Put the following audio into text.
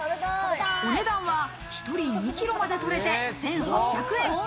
お値段は１人２ｋｇまでとれて１８００円。